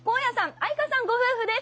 愛佳さんご夫婦です。